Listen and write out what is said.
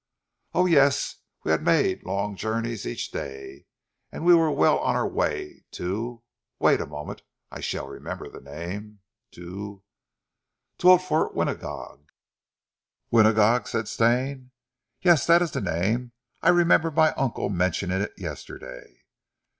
"Oh yes; we had made long journeys each day and we were well on our way to wait a moment. I shall remember the name to to old Fort Winagog." "Winagog?" said Stane. "Yes! That is the name. I remember my uncle mentioning it yesterday."